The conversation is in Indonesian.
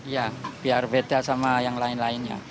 ya biar beda sama yang lain lainnya